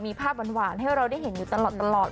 มีภาพหวานให้เราได้เห็นอยู่ตลอด